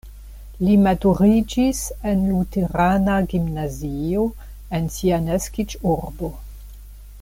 Li maturiĝis en luterana gimnazio en sia naskiĝurbo.